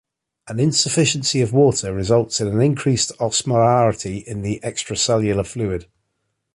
An insufficiency of water results in an increased osmolarity in the extracellular fluid.